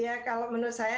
iya kalau menurut saya